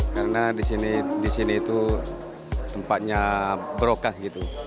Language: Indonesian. karena disini disini itu tempatnya barokah gitu